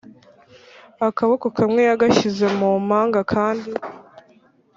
akaboko kamwe yagashyize mumpanga akandi